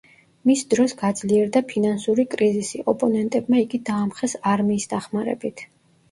მის დროს გაძლიერდა ფინანსური კრიზისი, ოპონენტებმა იგი დაამხეს არმიის დახმარებით.